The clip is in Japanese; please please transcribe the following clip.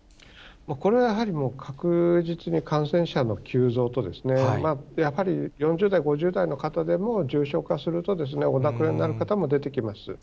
これはやはり、確実に感染者の急増と、やはり、４０代、５０代の方でも、重症化すると、お亡くなりになる方も出てきます。